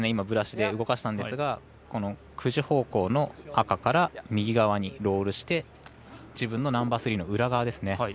ブラシで動かしたんですがこの９時方向の赤から右側にロールして自分のナンバースリーの裏側ですね。